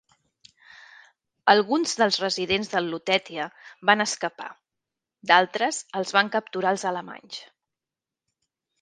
Alguns dels residents del Lutetia van escapar; d'altres els van capturar els alemanys.